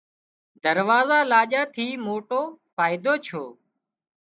دراوزو لاڄا ٿِي موٽو فائيڌو ڇو